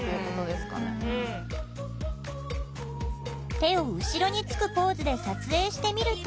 手を後ろにつくポーズで撮影してみると。